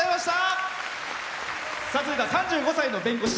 続いては３５歳の弁護士。